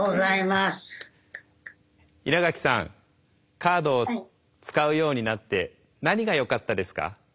カードを使うようになって何がよかったですか？